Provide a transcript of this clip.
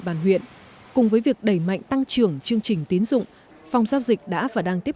bàn huyện cùng với việc đẩy mạnh tăng trưởng chương trình tiến dụng phòng giao dịch đã và đang tiếp